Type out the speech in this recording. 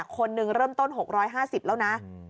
คนหนึ่งเริ่มต้น๖๕๐แล้วนะ